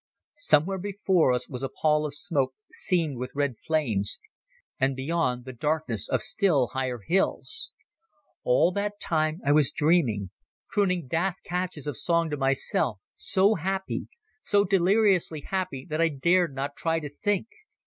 Somewhere before us was a pall of smoke seamed with red flames, and beyond the darkness of still higher hills. All that time I was dreaming, crooning daft catches of song to myself, so happy, so deliriously happy that I dared not try to think.